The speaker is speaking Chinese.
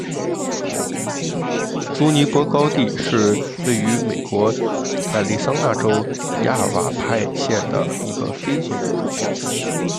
朱尼珀高地是位于美国亚利桑那州亚瓦派县的一个非建制地区。